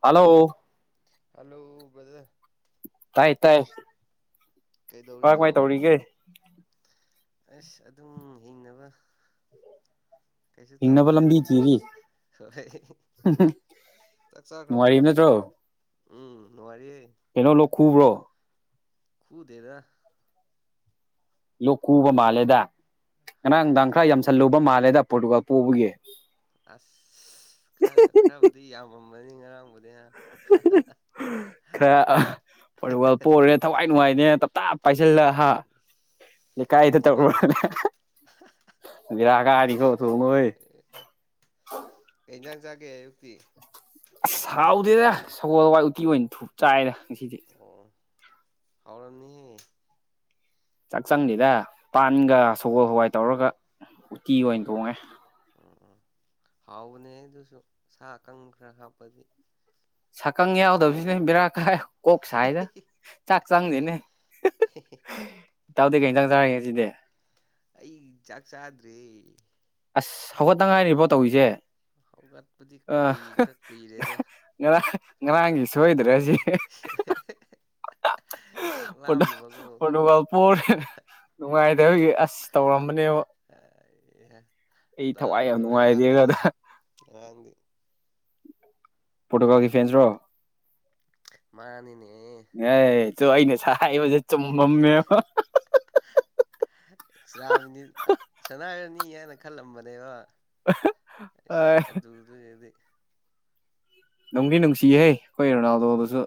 Hello hello ꯖ ꯇꯥꯏ ꯇꯥꯏ ꯀꯃꯥꯏ ꯀꯩꯗꯧꯔꯤꯅꯣ ꯀꯃꯥꯏ ꯇꯧꯔꯤꯒꯦ ꯑꯁ ꯑꯗꯨꯝ ꯍꯤꯡꯅꯕ ꯀꯩꯁꯨ ꯍꯤꯡꯅꯕ ꯇꯧꯗ꯭ꯔꯦꯗ ꯂꯝꯕꯤ ꯊꯤꯔꯤ ꯍꯣꯏ ꯆꯥꯛ ꯆꯥꯈ꯭ꯔꯕꯕꯨ ꯅꯨꯡꯉꯥꯏꯔꯤꯕ ꯅꯠꯇ꯭ꯔꯣ ꯎꯝ ꯅꯨꯡꯉꯥꯏꯔꯤꯌꯦꯦ ꯀꯩꯅꯣ ꯂꯧꯈꯨꯕ꯭ꯔꯣ ꯀꯨꯗꯦꯗ ꯂꯣꯛ ꯀꯨꯕ ꯃꯥꯜꯂꯦꯗ ꯉꯔꯥꯡ ꯅꯨꯡꯗꯥꯡ ꯈꯔ ꯈꯨꯗꯦꯗ ꯌꯥꯝꯁꯜꯂꯨꯕ ꯃꯥꯜꯂꯦꯗ ꯄꯣꯔꯇꯨꯒꯥꯜ ꯄꯨꯣꯛꯕꯒꯤ ꯑꯁ ꯈꯔ ꯈꯔꯕꯨꯗꯤ ꯌꯥꯝꯃꯝꯃꯅꯤ ꯉꯔꯥꯡꯕꯨꯗꯤ ꯈꯔ ꯐꯔ ꯋꯥꯜ ꯄꯣꯔꯦ ꯊꯋꯥꯏ ꯅꯨꯡꯉꯥꯏꯅꯦ ꯇꯞ ꯇꯞ ꯄꯥꯏꯁꯤꯜꯂ ꯍꯥ ꯀꯥꯏ ꯊ ꯇ ꯑꯗꯨꯒꯨꯝꯕ ꯃꯤꯔꯒꯥꯔꯤ ꯀꯣ ꯊꯅꯣꯏ ꯎ ꯎꯝ ꯍꯟꯖꯥꯡ ꯆꯥꯒꯦ ꯑꯌꯨꯛꯇꯤ ꯑꯁ ꯁꯥꯎꯗꯦꯗ ꯁꯒꯣꯜ ꯍꯋꯥꯏ ꯎꯇꯤ ꯑꯣꯏꯅ ꯊꯨꯞ ꯆꯥꯏꯔ ꯉꯁꯤꯗꯤ ꯑꯣ ꯀꯧꯔꯅꯤ ꯆꯥꯛ ꯆꯪꯗꯦꯗ ꯄꯥꯟꯒ ꯁꯒꯣꯜ ꯍꯋꯥꯏ ꯇꯧꯔꯒ ꯎꯇꯤ ꯑꯣꯏꯅ ꯑꯣ ꯑꯣ ꯈꯣꯡꯉꯦ ꯑꯣ ꯑꯣ ꯍꯥꯎꯕꯅꯦ ꯑꯗꯨꯁꯨ ꯁꯥ ꯑꯀꯪ ꯈꯔ ꯍꯥꯞꯄꯗꯤ ꯁꯛꯀꯪ ꯌꯥꯎꯗꯕꯁꯤꯅꯦ ꯕꯤꯔꯥ ꯀꯥꯏ ꯀꯣꯛꯣꯛ ꯁ ꯍꯥꯏꯗ ꯆꯥꯛ ꯆꯪꯗꯦꯅꯦ ꯇꯥꯎꯗ ꯀꯩꯇꯪ ꯆꯥꯔꯛꯒꯦ ꯁꯤꯗꯤ ꯑꯩ ꯆꯥꯛ ꯆꯥꯗ꯭ꯔꯦ ꯑꯁ ꯍꯧꯒꯠꯅꯉꯥꯏꯔꯤꯕꯣ ꯇꯧꯔꯤꯁꯦ ꯍꯧꯒꯠꯄꯨꯗꯤ ꯀꯨꯏ ꯈꯔ ꯀꯨꯏꯔꯦꯗ ꯉꯥꯡ ꯉꯔꯥꯡꯒꯤ ꯁꯣꯏꯗ꯭ꯔꯦ ꯁꯤ ꯎ ꯄꯣꯔꯇꯨꯒꯥꯜ ꯄꯣꯔꯦ ꯅꯨꯡꯉꯥꯏꯗꯕꯒꯤ ꯑꯁ ꯇꯧꯔꯝꯕꯅꯦꯕ ꯑꯩ ꯑꯩ ꯊꯋꯥꯏ ꯗꯥꯎꯕ ꯌꯥꯝ ꯂꯣꯏ ꯅꯨꯡꯉꯥꯏꯇꯦꯒ ꯍꯥꯠꯂꯦꯗ ꯉꯔꯥꯡꯗꯤ ꯄꯣꯇꯣꯀꯜꯒꯤ ꯐꯦꯟꯁ ꯔꯣ ꯃꯥꯅꯤꯅꯦ ꯆꯣ ꯑꯩꯅ ꯁꯕ [unintelligible] ꯑꯦꯛꯁꯇ꯭ꯔꯥ ꯃꯤꯅꯤꯠ ꯁꯅꯥꯔꯅꯤ ꯍꯥꯏꯅ ꯈꯜꯂꯝꯕꯅꯦꯕ ꯑꯁꯥ ꯑꯦ ꯑꯗꯨꯗꯗꯤ ꯅꯨꯡꯒꯤ ꯅꯨꯡꯁꯤꯍꯩ ꯑꯩꯈꯣꯏ ꯔꯣꯅꯥꯜꯗꯣꯗꯁꯨ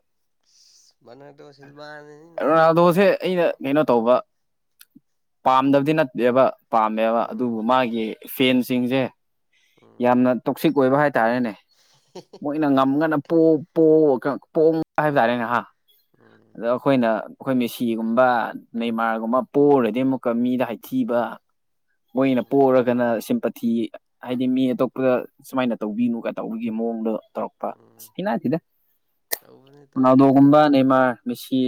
ꯃꯅꯤ ꯇꯣ ꯁꯤꯜꯕꯥꯅꯤ ꯔꯣꯅꯥꯜꯗꯣꯁꯦ ꯑꯩꯅ ꯀꯩꯅꯣ ꯇꯧꯕ ꯄꯥꯝꯗꯕꯗꯤ ꯅꯠꯇꯦꯕ ꯄꯥꯝꯃꯦꯕ ꯎꯝ ꯑꯗꯨꯕꯨ ꯃꯥꯒꯤ ꯐꯦꯟꯁꯤꯡꯁꯦ ꯎꯝ ꯌꯥꯝꯅ ꯇꯣꯛꯁꯤꯛ ꯑꯣꯏꯕ ꯍꯥꯏꯇꯥꯔꯦꯅꯦ [unintelligible] ꯃꯣꯏꯅ ꯉꯝꯒꯅ ꯄ ꯄꯣ ꯄꯣꯝ ꯍꯥꯏꯕ ꯇꯥꯔꯦ ꯅꯍꯥ ꯎꯝ ꯑꯩꯈꯣꯏꯅ ꯑꯩꯈꯣꯏ ꯃꯦꯁꯤꯒꯨꯝꯕ ꯃꯦꯃꯥꯔꯒꯨꯝꯕ ꯄꯣꯛꯔꯗꯤ ꯑꯃꯨꯛꯀ ꯃꯤꯗ ꯍꯥꯏꯊꯤꯕ [unintelligible] ꯃꯣꯏꯅ ꯄꯣꯛꯔꯒꯅ ꯁꯤꯝꯄꯊꯤ ꯍꯥꯏꯗꯤ ꯃꯤ ꯑꯇꯣꯞꯄꯗ ꯁꯨꯃꯥꯏꯅ ꯇꯧꯕꯤꯅꯨꯒ ꯇꯧꯕꯤꯒꯤ ꯃꯑꯣꯡꯗꯣ ꯇꯧꯔꯛꯄ ꯎꯝ ꯄꯥꯅ ꯍꯥꯏꯇꯗꯗ ꯇꯧꯕꯅꯤ ꯇꯧꯕꯅꯤ ꯀꯕꯅꯤꯃ ꯃꯤꯁꯤ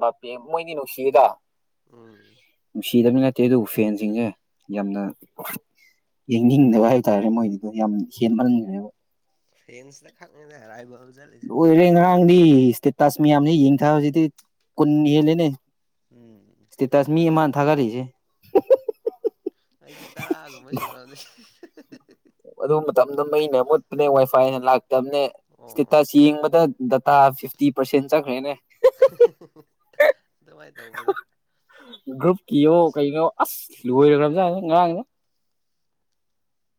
ꯄ ꯃꯣꯏꯗꯤ ꯅꯨꯡꯁꯤꯌꯦꯗ ꯎꯝ ꯅꯨꯡꯁꯤꯗꯕꯅꯤ ꯂꯩꯠꯇꯦ ꯑꯗꯨꯕꯨ ꯐꯦꯟꯁꯤꯡꯁꯦ ꯌꯥꯝꯅ ꯌꯦꯡꯅꯤꯡꯗꯕ ꯍꯥꯏꯇꯥꯔꯦ ꯃꯣꯏꯗꯨꯗꯣ ꯌꯥꯝ ꯍꯦꯟꯃꯟꯈ꯭ꯔꯦꯕ ꯐ꯭ꯔꯦꯟꯁ ꯈꯥꯛꯔꯥꯏꯕꯣ ꯔꯦ ꯉꯔꯥꯡꯗꯤ ꯏꯁꯇꯦꯇꯥꯁ ꯃꯌꯥꯝꯁꯤꯦ ꯌꯦꯡꯊ ꯍꯧꯖꯤꯗꯤ ꯀꯨꯟ ꯍꯦꯜꯂꯦꯅꯦ ꯎꯝ ꯎ ꯇꯁ ꯃꯤ ꯑꯃꯅ ꯊꯥꯒꯠꯛꯏꯁꯦ ꯑꯩꯁꯨ ꯇꯔꯥꯒꯨꯝꯕ ꯁꯨꯔꯑꯅꯦ ꯑꯗꯨ ꯃꯇꯝꯗ ꯑꯩꯅ ꯃꯣꯠꯄꯅꯦ ꯋꯥꯏꯐꯥꯏꯅ ꯂꯥꯛꯇꯕꯅꯦ ꯑꯣ ꯏꯁꯇꯦꯇꯁ ꯌꯦꯡꯕꯗ ꯗꯇꯥ ꯐꯤꯞꯇꯤ ꯄꯔꯁꯦꯟ ꯆꯠꯈ꯭ꯔꯦꯅꯦ ꯑꯗꯨꯃꯥꯏ ꯇꯧꯕꯅꯦ ꯒꯔꯨꯞꯀꯤꯑ ꯀꯩꯅꯣ ꯑꯁ ꯎꯝ ꯂꯣꯏꯔꯒ꯭ꯔꯖꯥꯠꯅꯤ ꯉꯔꯥꯡꯅ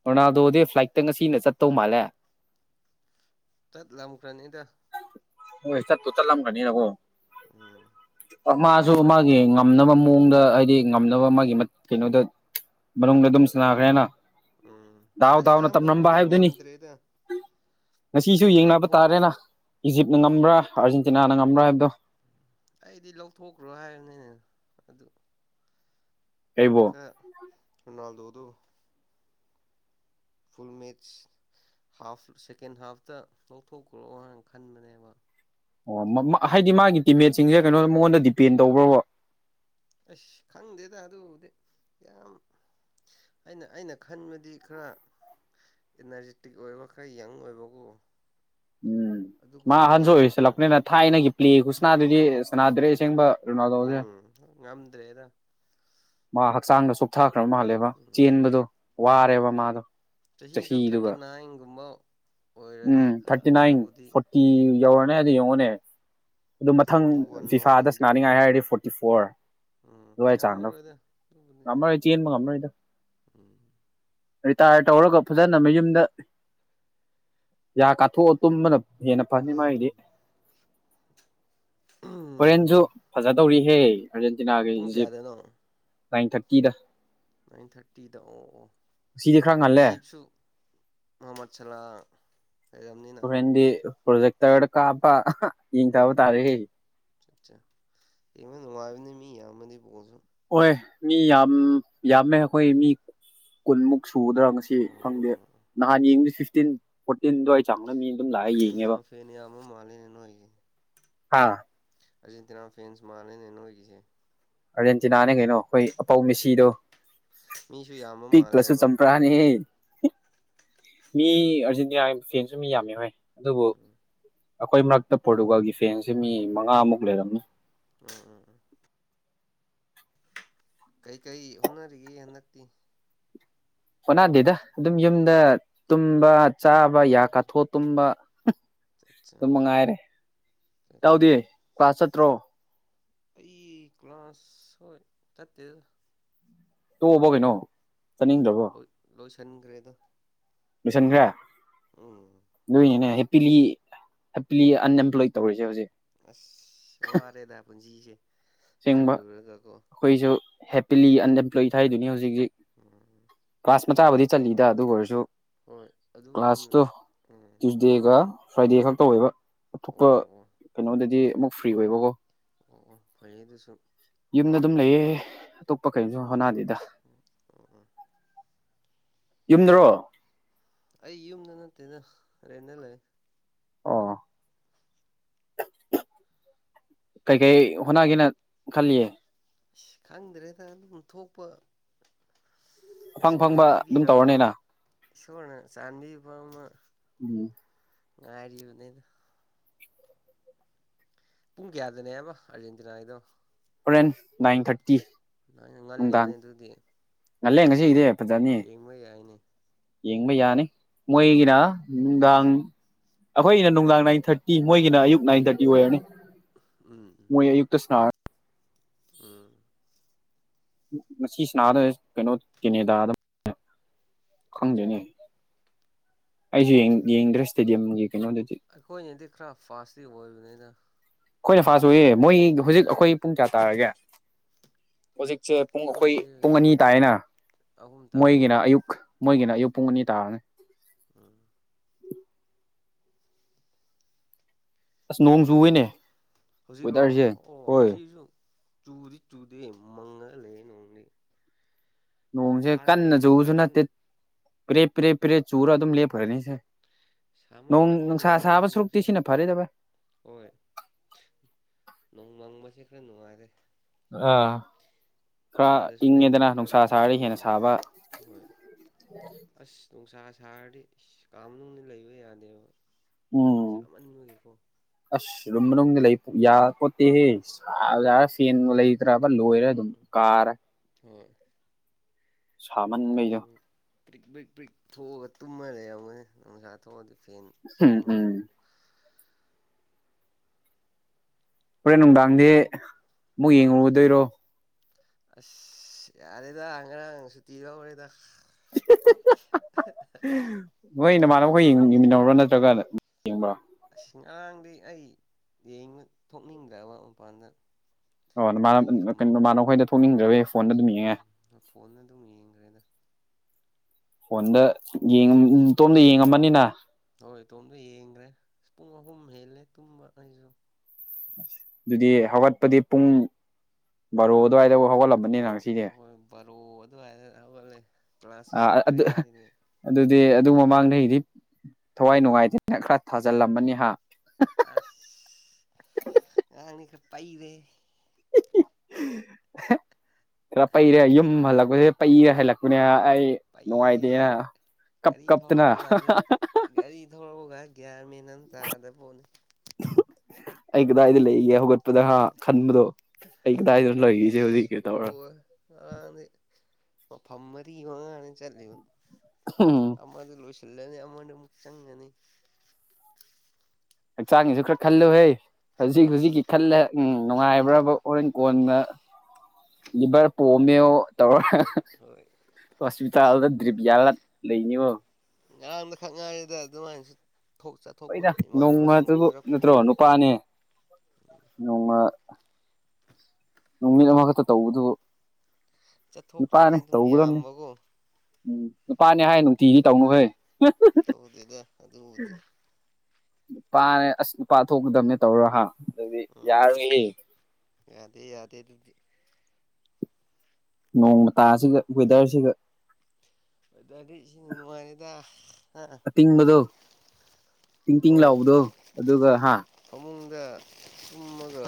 ꯔꯣꯅꯥꯜꯗꯣꯗꯤ ꯐ꯭ꯂꯥꯏꯠꯇ ꯉꯁꯤꯅ ꯆꯠꯇꯧ ꯃꯥꯜꯂꯦ ꯆꯠꯂꯝꯈ꯭ꯔꯅꯤꯗ ꯍꯣꯏ ꯆꯠꯄꯨ ꯆꯠ ꯂꯝ ꯒꯅꯤꯅꯀꯣ ꯎꯝ ꯃꯥꯁꯨ ꯃꯥꯒꯤ ꯉꯝꯅꯕ ꯃꯑꯣꯡꯗ ꯍꯥꯏꯗꯤ ꯉꯝꯅꯕ ꯃꯥꯒꯤ ꯀꯩꯅꯣꯗ ꯃꯅꯨꯡꯗ ꯑꯗꯨꯝ ꯁꯅꯥꯈ꯭ꯔꯦꯅ ꯎꯝ ꯗꯥꯎ ꯑꯁ ꯗꯥꯎꯅ ꯇꯝꯂꯝꯕ ꯁꯦꯟꯅꯕꯕꯨꯗꯤ ꯍꯥꯏꯕꯗꯨꯅꯤ ꯉꯝꯗ꯭ꯔꯦꯗ ꯉꯁꯤꯁꯨ ꯑꯩꯗꯤ ꯌꯦꯡꯅꯕ ꯂꯧꯊꯣꯛ ꯇꯥꯔꯦꯅ ꯏꯖꯤꯞꯅ ꯉꯝꯕ꯭ꯔꯥ ꯑꯥꯔꯖꯦꯟꯇꯤꯅꯥꯅ ꯉꯝꯕ꯭ꯔꯥ ꯍꯥꯏꯕꯗꯣ ꯑꯩꯗꯤ ꯂꯧꯊꯣꯛꯈ꯭ꯔꯣ ꯍꯥꯏꯔꯅꯤꯅꯦ ꯑꯗꯨ ꯀꯩꯕꯣ ꯔꯣꯅꯥꯜꯗꯣꯗꯣ ꯐꯨꯜ ꯃꯦꯠꯁ ꯍꯥꯐ ꯁꯦꯀꯦꯟ ꯍꯥꯐꯇ ꯂꯧꯊꯣꯛꯈ꯭ꯔꯣ ꯍꯥꯏꯅ ꯈꯟꯕꯅꯦꯕ ꯑꯣ ꯃꯥ ꯍꯥꯏꯗꯤ ꯃꯥꯒꯤ ꯇꯤꯃꯦꯠꯁꯤꯡꯁꯦ ꯀꯩꯅꯣ ꯃꯉꯣꯟꯗ ꯗꯤꯄꯦꯟ ꯇꯧꯕ꯭ꯔꯥꯕ ꯑꯁ ꯈꯪꯗꯦꯗ ꯑꯗꯨꯕꯨꯗꯤ ꯌꯥꯝ ꯑꯩꯅ ꯑꯩꯅ ꯈꯟꯕꯗꯤ ꯈꯔ ꯏꯅꯔꯖꯦꯇꯤꯛ ꯑꯣꯏꯕ ꯈꯔ ꯌꯪ ꯑꯣꯏꯕꯀꯣ ꯎꯝ ꯃꯥꯥ ꯑꯗꯨꯒꯨꯝꯕ ꯑꯍꯥꯟꯁꯨ ꯄ꯭ꯂꯦꯗꯣ ꯑꯃ ꯑꯣꯏꯁꯟꯂꯛꯄꯅꯤꯅ ꯊꯥꯏꯅꯒꯤ ꯄ꯭ꯂꯦ ꯈꯨꯁꯟꯅꯗꯨꯗꯤ ꯁꯅꯗ꯭ꯔꯦ ꯑꯁꯦꯡꯕ ꯔꯣꯅꯥꯜꯗꯣꯁꯦ ꯎꯝ ꯉꯝꯗ꯭ꯔꯦꯗ ꯃꯥ ꯍꯛꯆꯥꯡꯗꯣ ꯆꯨꯞꯊꯈ꯭ꯔꯕ ꯃꯥꯜꯂꯦꯕ ꯎꯝ ꯆꯦꯟꯕꯗꯣ ꯋꯥꯔꯦꯕ ꯃꯥꯗꯣ ꯆꯍꯤꯗꯣ ꯊꯥꯔꯇꯤ ꯆꯍꯤꯗꯨꯒ ꯅꯥꯏꯟꯒꯨꯝꯕ ꯑꯣꯏꯔꯗꯤ ꯈꯔ ꯈꯔꯕꯨꯗꯤ ꯀꯤ ꯌꯧꯔꯅꯦ ꯑꯗꯨ ꯌꯦꯡꯉꯣꯅꯦ ꯑꯗꯨ ꯃꯊꯪ ꯐꯣꯔꯇꯤ ꯋꯥꯟ ꯐꯤꯐꯥꯗ ꯑꯣꯏꯈ꯭ꯔꯕꯗꯨ ꯁꯅꯥꯅꯤꯡꯉꯥꯏ ꯍꯥꯏꯔꯗꯤ ꯐꯣꯔ ꯐꯤ ꯐꯣꯔ ꯎꯝ ꯑꯗꯨꯋꯥꯏ ꯆꯥꯡꯗ ꯉꯝꯃꯔꯣꯏꯗ ꯉꯝꯃꯔꯣꯏ ꯆꯦꯟꯕ ꯉꯝꯔꯣꯏꯗ ꯔꯤꯇꯥꯌꯔ ꯇꯧꯔꯒ ꯐꯖꯅ ꯃꯌꯨꯝꯗ ꯌꯥ ꯀꯥꯊꯣꯛꯒ ꯇꯨꯝꯕꯅ ꯍꯦꯟꯅ ꯐꯅꯤ ꯃꯥꯏꯗꯤ ꯎꯝ ꯍꯣꯔꯦꯟꯁꯨ ꯐꯖꯗꯧꯔꯤꯍꯦ ꯑꯥꯔꯖꯦꯟꯇꯤꯅꯥꯒꯤ ꯄꯨꯡ ꯏꯖꯤꯞ ꯀꯌꯥꯗꯅꯣ ꯅꯥꯏꯟ ꯊꯥꯔꯇꯤꯗ ꯅꯥꯏꯟ ꯊꯥꯔꯇꯤꯗ ꯑꯣ ꯑꯣ ꯉꯁꯤꯗꯤ ꯈꯔ ꯉꯜꯂꯦ ꯏꯖꯤꯞꯁꯨ ꯃꯨꯍꯃꯠ ꯁꯂꯥ ꯂꯩꯔꯝꯅꯤꯅ ꯍꯣꯔꯦꯟꯗꯤ ꯄꯣꯖꯦꯛꯇꯔꯗ ꯀꯞꯄꯥ ꯎꯝ ꯎꯝ ꯑꯁꯠꯆꯥ ꯌꯦꯡꯕ ꯅꯨꯡꯉꯥꯏꯕꯅꯤ ꯃꯤ ꯌꯥꯝꯃꯗꯤ ꯕꯣꯜꯁꯨ ꯍꯣꯏ ꯃꯤ ꯌꯥꯝ ꯌꯥꯝꯃꯦ ꯑꯩꯈꯣꯏ ꯃꯤ ꯀꯨꯟꯃꯨꯛ ꯁꯨꯒꯗ꯭ꯔꯥ ꯉꯁꯤ ꯁꯤ ꯎꯝ ꯎꯝ ꯈꯪꯗꯦ ꯎꯝ ꯅꯍꯥꯟ ꯌꯦꯡꯕ ꯐꯤꯐꯇꯤꯟ ꯐꯣꯔꯇꯤꯟ ꯗꯨꯋꯥꯏ ꯆꯥꯡꯗ ꯃꯤ ꯑꯗꯨꯝ ꯂꯥꯛꯑ ꯑꯔꯖꯦꯟꯇꯤꯅ ꯌꯦꯡꯉꯦꯕ ꯐꯦꯟ ꯌꯥꯝꯕ ꯃꯥꯟꯂꯦꯅꯦ ꯅꯣꯏꯒꯤ ꯍꯥꯥ ꯑꯔꯖꯦꯟꯇꯤꯅꯥ ꯐꯦꯟꯁ ꯃꯥꯥꯟꯂꯦꯅꯦ ꯅꯣꯏꯒꯤꯁꯦ ꯑꯥꯔꯖꯦꯟꯇꯤꯅꯥꯅꯦ ꯀꯩꯅꯣ ꯑꯩꯈꯣꯏ ꯑꯄꯧ ꯎꯝ ꯃꯦꯁꯤꯗꯣ ꯃꯤꯁꯨ ꯌꯥꯝꯕ ꯄꯤꯛꯄꯁꯨ ꯃꯥꯜꯂꯦꯕ ꯆꯝꯄ꯭ꯔꯥ ꯑꯦ ꯃꯤ ꯑꯥꯔꯖꯦꯟꯇꯤꯅꯥꯒꯤ ꯐꯦꯟꯁꯨ ꯃꯤ ꯌꯥꯝꯃꯦ ꯍꯣꯏ ꯑꯗꯨꯕꯨ ꯎꯝ ꯑꯩꯈꯣꯏ ꯃꯔꯛꯇ ꯄꯣꯔꯇꯨꯒꯥꯜꯒꯤ ꯐꯦꯟꯁꯦ ꯃꯤ ꯃꯉꯥꯃꯨꯛ ꯂꯩꯔꯝꯅꯤ ꯎꯝ ꯎꯝ ꯎꯝ ꯀꯩ ꯀꯩ ꯍꯣꯠꯅꯔꯤꯒꯦ ꯍꯟꯗꯛꯇꯤ ꯍꯣꯠꯅꯗꯦꯗ ꯑꯗꯨꯝ ꯌꯨꯝꯗ ꯇꯨꯝꯕ ꯎꯝ ꯆꯥꯕ ꯎꯝ ꯌꯥ ꯀꯥꯊꯣꯛꯑ ꯇꯨꯝꯕ ꯑꯆꯥ ꯑꯆꯥ ꯑꯗꯨꯝ ꯃꯉꯥꯏꯔꯦ ꯑꯆꯥ ꯏꯇꯥꯎꯗꯤ ꯀ꯭ꯂꯥꯁ ꯆꯠꯇ꯭ꯔꯣ ꯑꯩ ꯀ꯭ꯂꯥꯁ ꯍꯣꯏ ꯆꯠꯇꯦꯗ ꯇꯨꯝꯝꯕꯣ ꯀꯩꯅꯣ ꯆꯥꯅꯤꯡꯗ꯭ꯔꯕꯣ ꯂꯣꯏꯁꯟꯒ꯭ꯔꯦꯗ ꯂꯣꯏꯁꯟꯒ꯭ꯔꯦ꯫ ꯎꯝ ꯂꯣꯏꯅꯤꯅꯦ ꯍꯦꯄꯤꯂꯤ ꯍꯦꯄꯤꯂꯤ ꯑꯟꯑꯦꯝꯄ꯭ꯂꯣꯏ ꯇꯧꯔꯁꯦ ꯍꯧꯖꯤꯛ ꯑꯁ ꯋꯥꯔꯦꯗ ꯄꯨꯟꯁꯤꯁꯦ ꯑꯁꯦꯡꯕ ꯈꯜꯂꯨꯔꯒꯀꯣ ꯑꯩꯈꯣꯏꯁꯨ ꯍꯦꯄꯤꯂꯤ ꯑꯟꯑꯦꯝꯄ꯭ꯂꯣꯏ ꯍꯥꯏꯗꯨꯅꯤ ꯍꯧꯖꯤꯛ ꯍꯧꯖꯤꯛ ꯎꯝ ꯀ꯭ꯂꯥꯁ ꯃꯆꯥꯕꯨꯗꯤ ꯆꯜꯂꯤꯠꯂꯤꯗ ꯑꯗꯨ ꯑꯣꯏꯔꯁꯨ ꯍꯣꯏ ꯑꯗꯨ ꯎꯝ ꯀ꯭ꯂꯥꯁꯇꯣ ꯗꯦꯒ ꯐ꯭ꯔꯥꯏꯗꯦ ꯈꯛ ꯇꯧꯋꯦꯕ ꯑꯣ ꯑꯇꯣꯞꯄ ꯑꯣ ꯑꯣ ꯀꯩꯅꯣꯗꯗꯤ ꯑꯃꯨꯛ ꯐ꯭ꯔꯤ ꯑꯣꯏꯕꯀꯣ ꯑꯣ ꯑꯣ ꯐꯩꯌꯦ ꯑꯗꯨꯁꯨ ꯌꯨꯝꯗ ꯑꯗꯨꯝ ꯂꯩꯌꯦ ꯑꯇꯣꯞꯄ ꯀꯩꯁꯨ ꯎꯝ ꯍꯣꯅꯗꯩꯗ ꯎꯝ ꯎꯝ ꯌꯨꯝꯗꯔꯣ ꯑꯩ ꯌꯨꯝꯗ ꯅꯠꯇꯦꯅ ꯍꯔꯦꯟꯗ ꯂꯩꯌꯦ꯫ ꯑꯣ [inaudible] ꯀꯩꯀꯩ ꯍꯣꯠꯅꯒꯦꯅ ꯈꯜꯂꯤ꯫ ꯑꯁ ꯈꯪꯗ꯭ꯔꯦꯗ ꯑꯗꯨꯝ ꯊꯣꯛꯄ ꯑꯐꯪ ꯁꯣꯔꯅ ꯐꯪꯕ ꯑꯗꯨꯝ ꯄꯤꯕꯤꯔꯛꯄ ꯇꯧꯔꯅꯤꯅ ꯁꯣꯔꯅ ꯆꯥꯟꯕꯤꯕ ꯑꯃ ꯎꯝ ꯉꯥꯔꯤ ꯍꯅꯤꯅ ꯄꯨꯡ ꯀꯌꯥꯗꯅꯦꯕ ꯑꯥꯔꯖꯦꯟꯇꯤꯅꯥꯒꯤꯗꯣ ꯍꯣꯔꯦꯟ ꯅꯥꯏꯟ ꯊꯥꯔꯇꯤ ꯅꯪꯅ ꯅꯨꯡꯗꯥꯡ ꯉꯜꯂꯦꯅꯦ ꯑꯗꯨꯗꯤ ꯉꯜꯂꯦ ꯉꯁꯤꯒꯤꯗꯤ ꯐꯖꯅꯤ꯫ ꯌꯦꯡꯕ ꯌꯥꯏꯅꯦ ꯌꯦꯡꯕ ꯌꯥꯅꯤ ꯃꯣꯏꯒꯤꯔ ꯅꯨꯡꯗꯥꯡ ꯑꯩꯈꯣꯏ ꯑꯩꯅ ꯅꯨꯡꯗꯥꯡ ꯅꯥꯏꯟ ꯊꯥꯔꯇꯤ ꯃꯒꯤ ꯑꯌꯨꯛ ꯅꯥꯏꯟ ꯊꯥꯔꯇꯤ ꯑꯣꯏꯔꯅꯤ꯫ ꯎꯝ ꯃꯣꯏ ꯌꯨꯛꯇ ꯁꯅ ꯎꯝ ꯃꯁꯤ ꯁꯅꯥꯗ ꯀꯩꯅꯣ ꯀꯦꯅꯦꯗꯥꯗ ꯑꯠꯆꯥ ꯈꯪꯗꯣꯏꯅꯦ ꯑꯩꯁꯨ ꯌꯦꯡꯗ꯭ꯔꯦ ꯏꯁꯇꯦꯗꯤꯌꯝꯒꯤ ꯀꯩꯅꯣꯗꯗꯤ꯫ ꯑꯩꯈꯣꯏꯗꯤ ꯈꯔ ꯐꯥꯁꯇꯗꯤ ꯑꯣꯏꯕꯗ ꯑꯩꯈꯣꯏꯅ ꯐꯥꯁꯨ ꯎꯏꯌꯦ ꯃꯣꯏ ꯍꯧꯖꯤꯛ ꯑꯩꯈꯣꯏ ꯄꯨꯡ ꯀꯌꯥ ꯇꯥꯔꯒꯦ꯫ ꯍꯧꯖꯤꯛꯁꯦ ꯄꯨꯡ ꯑꯩꯈꯣꯏ ꯀꯣꯏꯁꯦ ꯄꯨꯡ ꯍꯧꯖꯤꯛ ꯑꯅꯤ ꯇꯥꯏꯅ ꯑꯍꯨꯝ ꯇꯥꯔꯅꯤ ꯃꯣꯏꯒꯤꯅ ꯎꯝ ꯑꯌꯨꯛ ꯃꯣꯏꯒꯤꯅ ꯑꯌꯨꯛ ꯄꯨꯡ ꯑꯅꯤ ꯇꯥꯔꯅꯤ꯫ ꯎꯝ ꯑꯁ ꯅꯣꯡꯖꯨꯏꯅꯦ꯫ ꯍꯧꯖꯤꯛꯂꯣ ꯑꯣ ꯁꯤꯁꯨ ꯆꯨꯗꯤ ꯆꯨꯗꯦ ꯃꯪꯉꯒ ꯂꯩ ꯅꯣꯡꯗꯤ꯫ ꯅꯣꯡꯁꯦ ꯐꯥꯔꯦꯗ ꯁꯥꯃꯟ ꯄꯔꯦ ꯄꯔꯦ ꯄꯔꯦ ꯆꯨꯔ ꯑꯗꯨꯝ ꯂꯦꯞꯈꯔꯅꯤꯁꯦ꯫ ꯁꯥꯃꯟ ꯅꯣꯡ ꯅꯨꯡꯁꯥ ꯂꯛꯃꯜꯂꯕꯅꯦ ꯁꯥꯕ ꯁꯨꯔꯨꯛꯇꯤ ꯍꯟꯗꯛꯁꯦ ꯁꯤꯅ ꯐꯔꯦꯗꯕ ꯍꯣꯏ ꯅꯣꯡꯃꯪꯕꯁꯦ ꯈꯔ ꯅꯨꯡꯉꯥꯏꯔꯦ꯫ ꯑꯥ ꯈꯔ ꯀꯥꯗꯁꯨ ꯂꯩꯕ ꯏꯪꯉꯦꯗꯅ ꯈꯔ ꯅꯨꯡꯁꯥ ꯅꯨꯡꯉꯥꯏ ꯁꯥꯔꯒ ꯍꯦꯟꯅ ꯎꯝ ꯁꯥꯕ ꯍꯣꯏ ꯑꯁ ꯅꯨꯡꯁꯥ ꯁꯥꯔꯗꯤ ꯀꯥꯝꯅꯨꯡꯅ ꯂꯩꯕ ꯌꯥꯗꯦꯕ꯫ ꯎꯝ ꯁꯃꯅ ꯂꯒꯦꯀꯣ ꯑꯁ ꯔꯨꯝ ꯃꯅꯨꯡꯗ ꯂꯩ ꯌꯥ ꯈꯣꯠꯇꯦꯍꯦꯔ ꯐꯦꯟ ꯂꯩ꯫ ꯎꯝ ꯍ ꯍꯨꯃꯥꯡ ꯁꯥꯃꯟꯕꯩꯗꯣ ꯄ꯭ꯔꯤꯛ ꯄ꯭ꯔꯤꯛ ꯄ꯭ꯔꯤꯛ ꯊꯣꯛꯑꯒ ꯇꯨꯝꯃꯔꯔꯝꯉꯅꯤ ꯅꯨꯡꯁꯥ ꯊꯣꯛꯑꯗꯤ ꯐꯦꯟ ꯎꯝ ꯎꯪꯉꯁꯨ ꯎꯝ ꯍꯣꯔꯦꯟ ꯅꯨꯡꯗꯥꯡꯗꯤ ꯑꯃꯨꯛ ꯌꯦꯡꯉꯗꯣꯏꯔꯣ ꯑꯁ ꯌꯥꯔꯦꯗ ꯉꯔꯥꯡ ꯁꯨꯇꯤ ꯂꯧꯔꯦꯗ ꯃꯣꯏ ꯅꯃꯥꯟꯅꯕ ꯑꯩꯈꯣꯏ ꯌꯦꯡꯃꯤꯟꯅ꯭ꯔꯥ ꯅꯠꯇ꯭ꯔꯒ ꯀ ꯑꯉꯥꯡꯗꯤ ꯑꯩꯕ ꯊꯣꯛꯅꯤꯡꯗꯕ ꯃꯄꯥꯟꯗ ꯑ ꯃꯥꯅ ꯑꯩꯒꯤ ꯔꯨꯝ ꯀꯩꯅꯣ ꯃꯥꯅ ꯑꯩꯈꯣꯏꯗ ꯊꯣꯛꯅꯤꯡꯗ꯭ꯔꯕꯦ ꯎꯝ ꯐꯣꯟꯅ ꯑꯗꯨꯝ ꯌꯦꯡꯈ꯭ꯔꯦꯗ ꯐꯣꯟꯗ ꯏꯇꯣꯝꯗ ꯌꯦꯡꯉꯝꯃꯅꯤꯅ ꯍꯣꯏ ꯏꯇꯣꯝꯇꯣ ꯌꯦꯡꯈ꯭ꯔꯦ ꯄꯨꯡ ꯑꯍꯨꯝ ꯍꯦꯜꯂꯦ ꯇꯨꯝꯕ ꯑꯩꯁꯨ ꯑꯁ ꯑꯗꯨꯗꯤ ꯍꯧꯒꯠꯄꯗꯤ ꯄꯨꯡ ꯕꯥꯔꯣ ꯑꯗꯨꯋꯥꯏꯗꯐꯥꯎ ꯍꯧꯒꯠꯂꯝꯕꯅꯤꯅ ꯉꯁꯤꯗꯤ ꯔꯣ ꯑꯗꯨ ꯍꯥꯏꯂꯦ ꯑ ꯑꯗꯨꯗ ꯑꯗꯨꯗꯤ ꯑꯗꯨ ꯃꯃꯥꯡꯗꯩꯗꯤ ꯊꯋꯥꯏ ꯅꯨꯡꯉꯥꯏꯇꯦꯅ ꯈꯔ ꯊꯥꯖꯤꯜꯂꯝꯃꯅꯤ ꯍꯥ ꯑꯁꯈ ꯄꯩꯔꯦ ꯆꯠ ꯈꯔ ꯄꯩꯔꯦ ꯌꯨꯝ ꯍꯜꯂꯛꯄꯁꯤꯗ ꯄꯩꯔꯦ ꯍꯜꯂꯛꯄꯅꯦ ꯑꯩ ꯄꯩꯌꯦ ꯅꯨꯡꯉꯥꯏꯇꯦꯅ ꯀꯞ ꯒꯥꯔꯤ ꯀꯞꯇꯅ ꯊꯧꯔꯛꯄꯒꯁꯦ ꯒꯥꯔꯤ ꯊꯧꯔꯛꯑꯒ ꯒꯤꯌꯥꯔ ꯃꯦꯟ ꯑꯃ ꯆꯥꯗꯕ ꯄꯣꯠꯅꯤ ꯑꯩ ꯀꯗꯥꯏꯗꯤ ꯂꯩꯒ ꯍꯧꯒ ꯂꯄꯗ ꯍꯥ ꯈꯟꯕꯗꯣ ꯑꯩ ꯀꯗꯥꯏꯗ ꯂꯩꯒꯁꯦ ꯍꯧꯖꯤꯛ ꯀꯩ ꯇꯧꯔꯒ ꯑꯅꯤ ꯃ ꯐꯃꯔꯤꯃ ꯉ ꯑꯃꯅꯤ ꯆꯜꯨ ꯑꯣ ꯑꯃꯗꯤ ꯂꯣꯏꯁꯤꯜꯂꯅꯤ ꯑꯃꯅ ꯑꯃꯨꯛ ꯆꯪꯒꯅꯤ ꯍꯛꯆꯥꯡꯒꯤꯁꯨ ꯈꯔ ꯈꯜꯂꯨꯍꯦ ꯍꯧꯖꯤꯛ ꯍꯧꯖꯤꯛꯀꯤ ꯈꯜꯂ ꯎ ꯅꯨꯡꯉꯥꯏꯕ꯭ꯔꯕ ꯑꯣꯔꯦꯟ ꯀꯣꯟꯅ ꯂꯤꯚꯔ ꯄꯣꯝꯃꯦꯣ ꯇꯧꯔ ꯍꯣꯏ ꯍꯣꯁꯄꯤꯇꯥꯜꯗ ꯗ꯭ꯔꯤꯔꯤꯕꯌꯥꯒ ꯂꯩꯅꯤꯉꯣ ꯉꯔꯥꯡꯅ ꯈꯛ ꯉꯥꯏꯔꯤꯗ ꯑꯗꯨꯃꯥꯏꯅꯁꯨꯣꯛ ꯆꯥꯊꯣꯛꯄꯗꯣ ꯏꯃꯥꯟꯅꯕꯁꯤꯡ ꯀꯣꯏꯔꯛꯄꯒ ꯄꯥꯅꯦ ꯅꯣꯡꯃ ꯅꯨꯃꯤꯠ ꯑꯃꯈꯛꯇ ꯇꯧꯕꯗꯨ ꯆꯠꯊꯣꯛꯈ꯭ꯔꯗꯤꯦ ꯑꯗꯨꯝ ꯇꯧꯒꯗꯕꯅꯤ ꯌꯥꯝꯌꯥꯝꯕꯀꯣ ꯎꯝ ꯅꯨꯄꯥꯅꯦ ꯍꯥꯏ ꯅꯨꯡꯇꯤꯒꯤ ꯇꯧꯅꯨꯍꯣꯏ ꯇꯧꯗꯦꯗ ꯑꯗꯨꯕꯨꯗꯤ ꯅꯨꯄꯥꯅꯦ ꯑꯁ ꯅꯨꯄꯥ ꯊꯣꯛꯀꯗꯕꯅꯦ ꯇꯧꯔ ꯍꯥꯥ ꯎꯝ ꯌꯥꯗꯦ ꯌꯥꯗꯦ ꯑꯗꯨꯗꯤ ꯅꯣꯡꯃ ꯇꯥꯁꯤꯒ ꯋꯦꯗꯔꯁꯤꯒ ꯍꯣꯏꯗꯗꯤ ꯏꯁꯤꯡꯅ ꯅꯨꯡꯉꯥꯏꯔꯤꯦꯗ ꯇꯤꯡꯕꯗꯣ ꯇꯤꯡ ꯇꯤꯡ ꯍꯣꯏ ꯂꯥꯎꯕꯗꯣ ꯑꯗꯨꯒ ꯍꯥ ꯐꯃꯨꯡꯗ ꯆꯨꯝꯃꯒ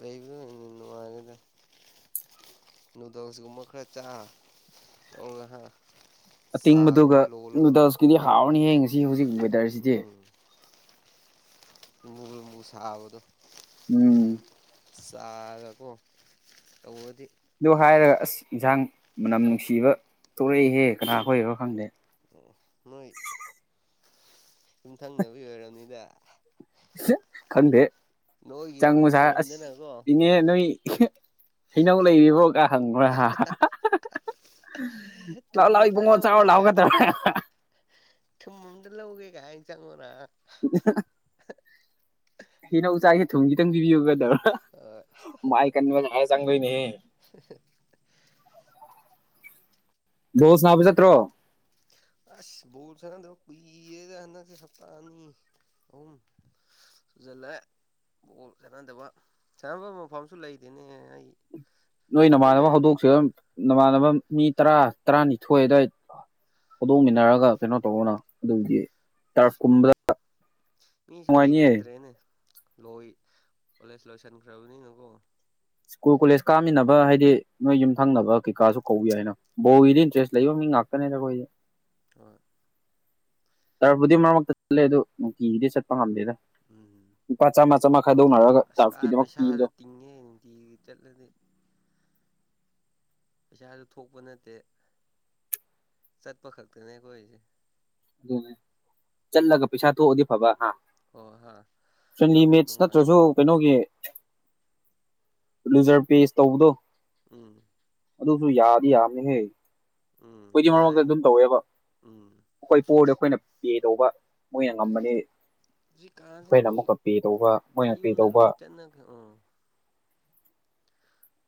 ꯂꯩꯕꯗ ꯅꯒꯤꯗ ꯅꯨꯗꯁꯤꯒꯨꯝꯃꯈꯔ ꯆ ꯑꯇꯤꯡꯕꯗꯨꯒ ꯅꯨꯗꯜꯁꯀꯤꯗꯤ ꯍꯥꯎꯔꯅꯤ ꯍꯌꯦ ꯉꯁꯤ ꯍꯧꯖꯤꯛ ꯋꯦꯗꯔꯁꯤꯗꯤ ꯎꯝ ꯃ ꯃꯨꯁꯕꯗ ꯎꯝ ꯁꯥꯔꯒ ꯇꯗꯤ ꯑꯗꯨꯣ ꯍꯥꯏꯔꯒ ꯑꯁ ꯏꯟꯖꯥꯡ ꯃꯅꯝ ꯅꯨꯡꯁꯤꯕ ꯊꯣꯛꯂꯛꯏꯍꯦ ꯀꯅꯥ ꯍꯣꯏꯔꯣ ꯈꯪꯗꯦ ꯅꯣꯏ ꯌꯨꯝ ꯊꯪꯅꯕ ꯌ ꯑꯣꯏꯔꯕꯅꯤꯗ ꯈꯟꯗꯦ ꯅꯣꯏꯒꯤ ꯆꯥꯡ ꯑꯃꯨꯛ ꯃꯖꯥ ꯑꯁ ꯑꯣꯏꯔꯝꯗꯅꯀꯣ ꯏꯅꯦ ꯅꯣꯏ ꯍꯩꯅꯧ ꯂꯩꯔꯤꯕ ꯐꯣ ꯀ ꯍꯪꯕ꯭ꯔꯥ ꯊꯨꯝ ꯂꯥꯛꯑꯣ ꯂꯥꯛꯑꯣ ꯑꯝꯇ ꯏꯕꯨꯡꯉꯣ ꯂꯧꯒꯦ ꯆꯥꯎꯋ ꯂꯥꯛꯑꯣꯒꯗꯕꯅꯦ ꯊꯨꯝꯝꯗ ꯂꯧꯒꯦꯒꯥꯏ ꯍꯖꯒꯣꯔꯥ ꯍꯤꯩꯅꯧ ꯆꯆꯥꯁꯦ ꯊꯨꯝ ꯈꯤꯇꯪ ꯄꯤꯕꯤꯌꯨꯒꯗꯕ꯭ꯔꯥ ꯑ ꯃꯥ ꯑꯩꯀꯥꯟꯅꯤ ꯃ ꯍꯥꯏ ꯆꯥꯡꯒꯂꯅꯦ ꯑꯍꯥ ꯍꯥ ꯣ ꯁꯅꯥꯕꯤ ꯆꯠꯇ꯭ꯔꯣ ꯕꯣꯜ ꯁꯅꯗ ꯀꯨꯏꯌꯦꯗ ꯍꯅꯁꯦ ꯍꯞꯇꯥꯅꯤ ꯑꯍꯨꯝ ꯁꯨꯖꯥꯜꯂꯦ ꯕꯣꯜ ꯆꯥꯟꯅꯗꯕ ꯁꯥꯟꯅꯕ ꯃꯐꯝꯁꯨ ꯂꯩꯗꯤꯅꯦ ꯑꯩ ꯅꯣꯏ ꯈꯨꯟꯗ ꯅꯃꯥꯟꯅꯕ ꯂꯩꯔꯗꯤ ꯍꯧꯗꯣꯛꯁꯤ ꯅꯃꯥꯟꯅꯕ ꯃꯤ ꯇꯔꯥ ꯇꯔꯥꯅꯤꯊꯣꯏ ꯑꯗꯨꯗꯋꯥꯏꯗ ꯄꯨꯗꯣ꯫ꯡꯃꯤꯟꯅꯔꯒ ꯀꯩꯅꯣ ꯇꯧꯕꯅ ꯑꯗꯨꯗꯤ ꯑ ꯃꯤ ꯃꯤꯁꯨ ꯅꯨꯡꯉꯥꯏꯅꯤꯌꯦ ꯂꯩꯅꯗ꯭ꯔꯦꯅꯦ ꯂꯣꯏ꯫ ꯀꯣꯂꯦꯖ ꯂꯣꯏꯁꯤꯟꯈ꯭ꯔꯕꯅꯤꯅꯀꯣ ꯁ꯭ꯀꯨꯜ ꯀꯣꯂꯦꯖ ꯀꯥꯃꯤꯟꯅꯕ ꯍꯥꯏꯗꯤ ꯅꯣꯏ ꯌꯨꯝꯊꯪꯅꯕ ꯀꯩꯀꯥꯁꯨ ꯀꯧꯏ ꯍꯥꯏꯅ ꯕꯣꯋꯗ ꯏꯟꯇꯔꯦꯁ ꯂꯩꯕ ꯃꯤ ꯉꯥꯛꯀꯅꯦꯔꯈꯣꯏꯗꯤ ꯑ ꯇꯔꯄꯨꯗꯤ ꯃꯔꯛ ꯃꯔꯛꯇ ꯆꯠꯂꯦ ꯑꯗꯨ ꯅꯨꯡ꯫ꯇꯀꯤꯒꯤꯗꯤ ꯆꯠꯄ ꯉꯝꯗꯦꯗ ꯎꯝ ꯂꯨꯄꯥ ꯆꯥꯝꯃ ꯆꯥꯃꯥ ꯈꯥꯏꯗꯧꯅꯔꯒ ꯇꯔꯐꯀꯤꯗꯃꯛ ꯄꯤꯕꯗꯣ ꯒꯤ ꯆꯠꯂꯅꯤ ꯄꯩꯁꯥꯁꯨ ꯊꯣꯛꯄ ꯅꯠꯇꯦ ꯆꯠꯄ ꯈꯛꯇꯅꯦ ꯑꯩꯈꯣꯏꯁꯦ ꯑꯗꯨ꯫ꯅꯦ ꯆꯠꯂꯒ ꯄꯩꯁꯥ ꯊꯣꯛꯑꯗꯤ ꯐꯕ ꯍꯥ ꯍꯣꯏ ꯍꯥ ꯆꯨꯝꯅꯩ ꯃ‌ꯦꯠꯁ ꯅꯨꯡꯉꯥꯏ ꯅꯠꯇ꯭ꯔꯁꯨ ꯀꯩꯅꯣꯒꯤ ꯂꯨꯖꯔ ꯄꯦꯁ ꯇꯧꯕꯗꯣ ꯎꯝ ꯑꯗꯨꯁꯨ ꯌꯥꯗꯤ ꯌꯥꯝꯃꯤꯍꯦ ꯎꯝ꯫ ꯌꯥꯔꯅꯤ ꯎꯝ ꯑꯩꯈꯣꯏ ꯄꯣꯔꯗ ꯑꯩꯈꯣꯏꯅ ꯄꯦ ꯇꯧꯕ ꯃꯣꯏꯅ ꯉꯝꯃꯅꯤ ꯍꯧꯖꯤꯛꯀꯥꯟꯁꯤ ꯑꯩꯈꯣꯏꯅ ꯑꯃꯨꯛꯀ ꯄꯦ ꯇꯧꯕ ꯃꯣꯏꯅ ꯄꯦ ꯇꯧꯕ ꯀꯟꯅ ꯒ ꯎꯝ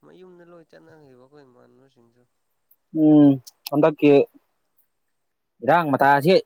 ꯃꯌꯨ꯫ꯝꯗ ꯂꯣꯏ ꯆꯠꯅꯈꯤꯕ ꯑꯩꯈꯣꯏ ꯏꯃꯥꯟꯅꯕꯁꯤꯡꯁ‌ꯦ ꯎꯝ ꯍꯟꯗꯛꯀꯤ ꯏꯔꯥꯡ ꯃꯇꯥꯁꯤ